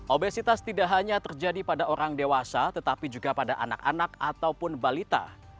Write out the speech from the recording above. obesitas tidak hanya terjadi pada orang dewasa tetapi juga pada anak anak ataupun balita